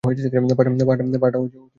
পাহাড়টা পার করো।